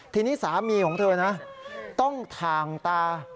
ทีนี้สามีของเธอนะต้องถ่างตา